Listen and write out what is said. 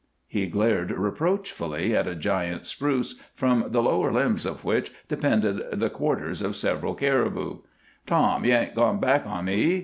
He glared reproachfully at a giant spruce from the lower limbs of which depended the quarters of several caribou. "Tom, you ain't gone back on me?